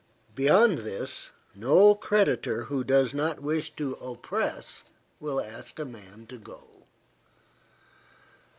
Beyond this, no creditor, who does not wish to oppress, will ask a man to go.